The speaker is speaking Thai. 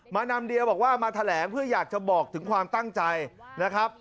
มานำเดียบอกว่ามาแถลงเพื่ออยากจะบอกถึงความตั้งใจนะครับ